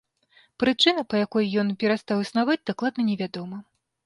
Прычына, па якой ён перастаў існаваць, дакладна не вядома.